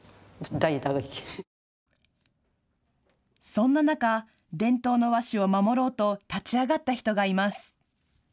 そんな中、伝統の和紙を守ろうと立ち上がった人がいます。